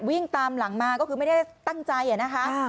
วิ่งตามหลังมาก็คือไม่ได้ตั้งใจนะคะ